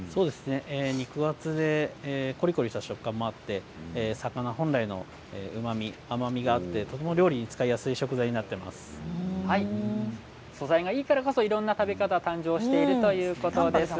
肉厚でコリコリした食感もあって魚本来のうまみ、甘みがあってとても料理に使いやすい素材がいいからいろいろな食べ方が誕生しているということですね。